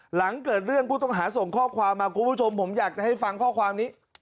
หลังเกิดเรื่องผู้ต้องหาส่งข้อความมาคุณผู้ชมผมอยากจะให้ฟังข้อความนี้